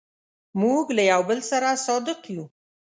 موږ له یو بل سره صادق یو.